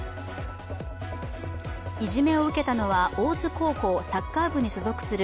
いじめを受けたのは大津高校サッカー部に所属する。